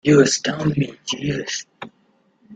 You astound me, Jeeves.